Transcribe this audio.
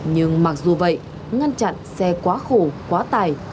nhưng mặc dù vậy ngăn chặn xe quá khổ quá tải